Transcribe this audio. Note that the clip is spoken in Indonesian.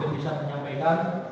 yang bisa menyampaikan